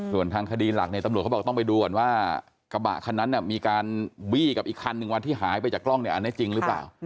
ส่วนทางคดีหลักเนี่ยตำรวจเขาบอกต้องไปดูก่อนว่ากระบะคันนั้นมีการบี้กับอีกคันหนึ่งวันที่หายไปจากกล้องเนี่ยอันนี้จริงหรือเปล่า